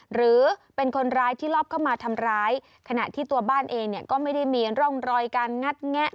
หรือเป็นคนร้ายที่รอบเข้ามาทำร้ายขณะที่ตัวบ้านเองเนี่ยก็ไม่ได้มีร่องรอยการงัดแงะ